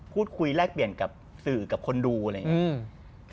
แลกเปลี่ยนกับสื่อกับคนดูอะไรอย่างนี้